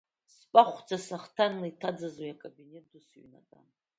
Спахәӡа, сахҭанла иҭаӡыз уи акабинет ду сыҩнатәан.